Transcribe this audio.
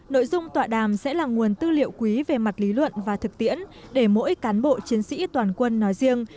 nội dung tọa đàm sẽ là nguồn tư liệu quý về mặt lý luận và thực tiễn để mỗi cán bộ chiến sĩ toàn quân nói riêng